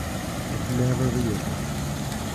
It never reopened.